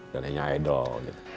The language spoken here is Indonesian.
dan hanya idol gitu